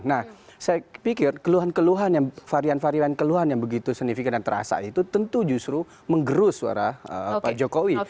nah saya pikir keluhan keluhan yang varian varian keluhan yang begitu signifikan dan terasa itu tentu justru menggerus suara pak jokowi